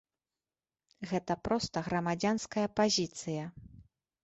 Гэта проста грамадзянская пазіцыя.